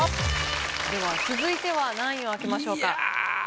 では続いては何位を開けましょうか？